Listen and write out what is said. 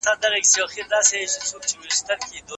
ټولنیز نهاد د خلکو د اړیکو د تنظیم بنسټ جوړوي.